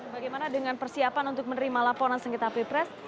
bagaimana dengan persiapan untuk menerima laporan sengketa pilpres